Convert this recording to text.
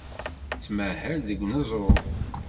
Tettmahal deg uneẓruf.